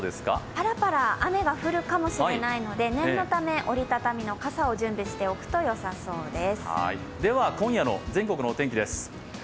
ぱらぱら雨が降るかもしれないので念のため、折りたたみの傘を準備しておくとよさそうです。